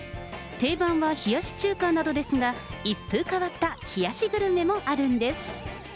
定番は冷やし中華などですが、一風変わった冷やしグルメもあるん